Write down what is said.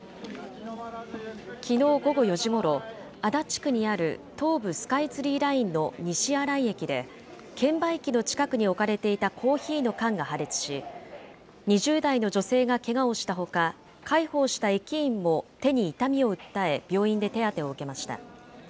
きのう午後４時ごろ、足立区にある東武スカイツリーラインの西新井駅で、券売機の近くに置かれていたコーヒーの缶が破裂し、２０代の女性がけがをしたほか、介抱した駅員も手に痛みを訴え、病院で手当てを受けました。